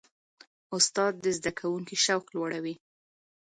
استاد د زده کوونکي شوق لوړوي.